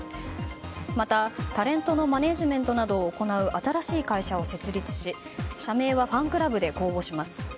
また、タレントのマネジメントなどを行う新しい会社を設立し、社名はファンクラブで公募します。